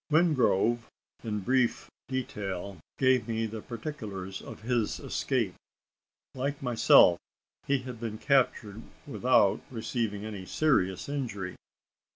Wingrove, in brief detail, gave me the particulars of his escape. Like myself, he had been captured without receiving any serious injury.